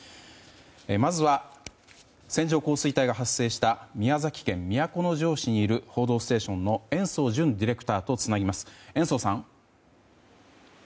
まずは線状降水帯が発生した宮崎県都城市にいる「報道ステーション」の延増惇ディレクターとつなぎます。